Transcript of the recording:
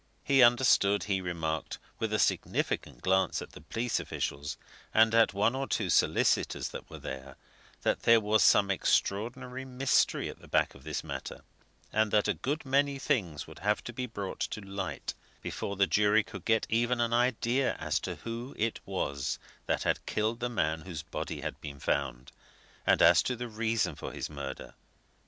He understood, he remarked, with a significant glance at the police officials and at one or two solicitors that were there, that there was some extraordinary mystery at the back of this matter, and that a good many things would have to be brought to light before the jury could get even an idea as to who it was that had killed the man whose body had been found, and as to the reason for his murder.